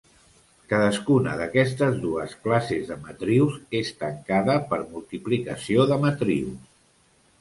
Cadascuna d'aquestes dues classes de matrius és tancada per multiplicació de matrius.